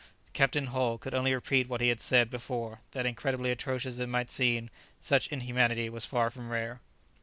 Captain Hull could only repeat what he had said before, that incredibly atrocious as it might seem, such inhumanity was far from rare.